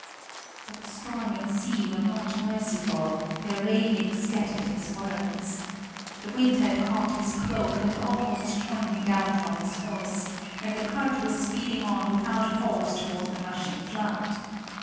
But the storm and sea were not merciful, their raving scattered his words. The wind had caught his cloak and almost torn him down from his horse; and the cart was speeding on without pause towards the rushing flood.